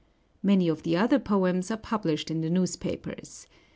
Many of the other poems are published in the newspapers.